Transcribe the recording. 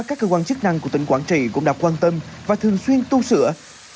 các cơ quan chức năng của tỉnh quảng trị cũng đã quan tâm và thường xuyên tu sửa